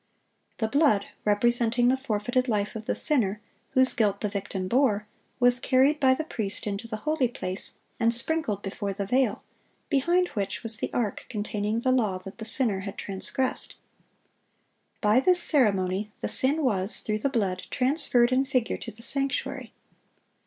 The blood, representing the forfeited life of the sinner, whose guilt the victim bore, was carried by the priest into the holy place and sprinkled before the veil, behind which was the ark containing the law that the sinner had transgressed. By this ceremony the sin was, through the blood, transferred in figure to the sanctuary.